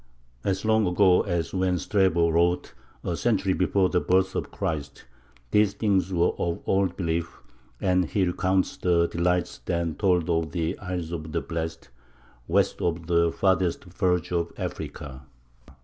As long ago as when Strabo wrote, a century before the birth of Christ, these things were of old belief, and he recounts the delights then told of the "Isles of the Blest," west of the farthest verge of Africa.